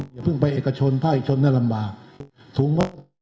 อย่าเพิ่งไปเอกชนภาคเอกชนเนี่ยลำบากถุง